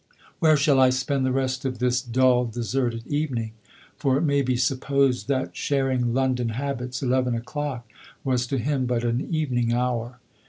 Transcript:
Where shall I spend the rest of this 134 LODORE. dull, deserted evening?" — for it may be supposed that, sharing London habits, eleven o'clock was to him but an evening hour.